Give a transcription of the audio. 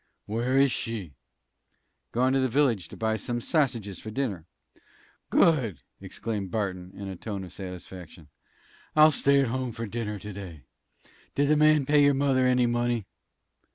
"Where is she?" "Gone to the village to buy some sassiges for dinner." "Good!" exclaimed Barton, in a tone of satisfaction. "I'll stay at home to dinner to day. Did the man pay your mother any money?"